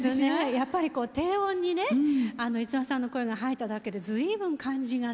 やっぱり低音にね五輪さんの声が入っただけで随分感じがね。